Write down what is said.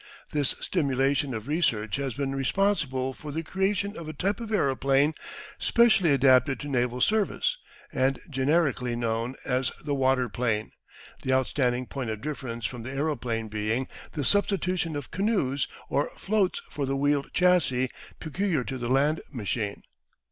This stimulation of research has been responsible for the creation of a type of aeroplane specially adapted to naval service, and generically known as the water plane, the outstanding point of difference from the aeroplane being the substitution of canoes or floats for the wheeled chassis peculiar to the land machine.